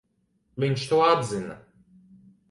Viņš to atzina.